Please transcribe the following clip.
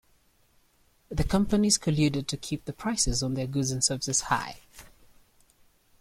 The companies colluded to keep the prices on their goods and services high.